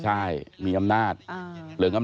นั่นแหละสิเขายิบยกขึ้นมาไม่รู้ว่าจะแปลความหมายไว้ถึงใคร